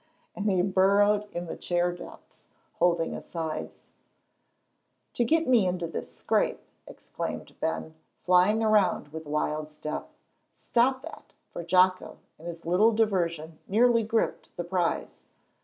and he burrowed in the chair depths, holding his sides. "To get me into this scrape," exclaimed Ben, flying around with a wild step. "Stop that," for Jocko in this little diversion nearly gripped the prize.